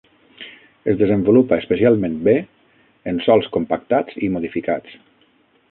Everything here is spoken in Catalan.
Es desenvolupa especialment bé en sòls compactats i modificats.